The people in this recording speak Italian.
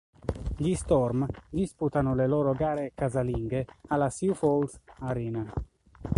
Gli Storm disputano le loro gare casalinghe alla Sioux Falls Arena.